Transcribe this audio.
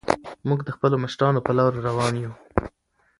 موږ د خپلو مشرانو په لارو روان یو.